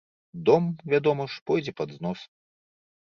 Дом, вядома ж, пойдзе пад знос.